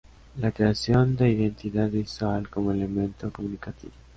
La creación de identidad visual como elemento comunicativo.